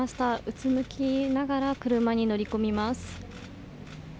うつむきながら車に乗り込みます。